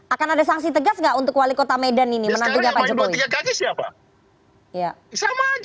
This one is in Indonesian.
akan ada sanksi tegas nggak untuk wali kota medan ini menantunya pak jokowi